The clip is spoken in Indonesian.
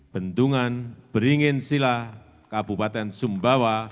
bendungan beringin sila kabupaten sumbawa